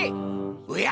おや！